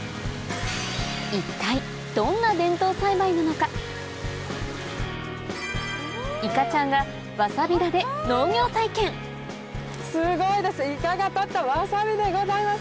一体どんな伝統栽培なのかいかちゃんがすごいです。